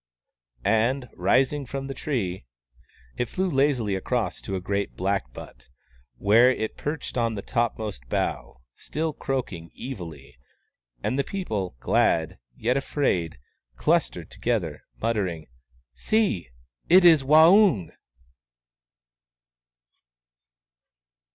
" and, rising from the tree, it flew lazily across to a great blackbutt, where it perched on the topmost bough, still croak ing evilly. And the people, glad, yet afraid, clus tered together, muttering, " See ! It is Waung